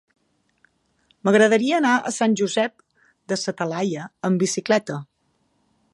M'agradaria anar a Sant Josep de sa Talaia amb bicicleta.